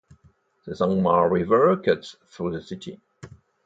The Zangmar River cuts through the city.